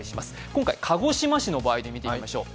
今回鹿児島市の場合で見てみましょう。